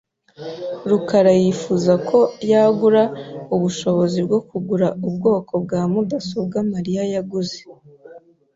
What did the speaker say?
rukara yifuza ko yagura ubushobozi bwo kugura ubwoko bwa mudasobwa Mariya yaguze .